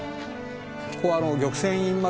ここ玉泉院丸